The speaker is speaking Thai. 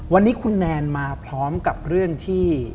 วันนี้คุณแนนมาพร้อมกับเรื่องที่